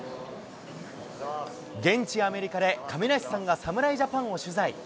現地アメリカで、亀梨さんが侍ジャパンを取材。